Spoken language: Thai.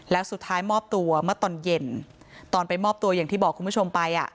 แล้วสุดท้ายมอบตัวเมื่อตอนเย็นตอนไปมอบตัวอย่างที่บอกคุณผู้ชมไปอ่ะ